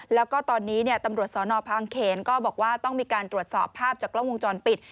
แล้วก็ตอนนี้ตำรวจสนบางเขนก็บอกว่าต้องมีการตรวจสอบภาพจากกล้องวงจรปิด